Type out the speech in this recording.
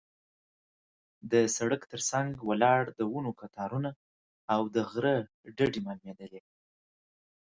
د سړک تر څنګ ولاړ د ونو قطارونه او د غره ډډې معلومېدلې.